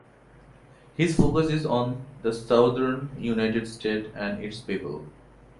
His focus is on the Southern United States and its people.